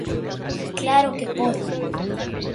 Claro que pode.